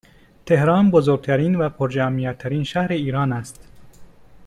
تهران بزرگترین و پرجمعیت ترین شهر ایران است